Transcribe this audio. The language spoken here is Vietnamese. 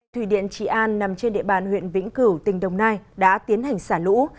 thủy điện trị an nằm trên địa bàn huyện vĩnh cửu tỉnh đồng nai đã tiến hành xả lũ